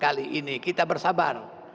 kali ini kita bersabar